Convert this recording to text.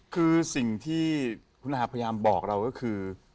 คือสิ่งที่คุณอาพยายามบอกเราก็คือ